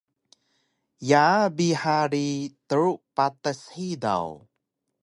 Yaa bi hari tru patas hidaw